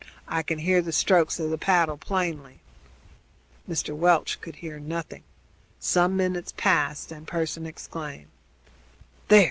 I can hear the strokes of the paddle plainly." Mr. Welch could hear nothing. Some minutes passed, then Pearson exclaimed: "There!